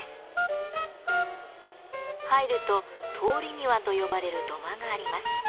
入ると「通り庭」と呼ばれる土間があります。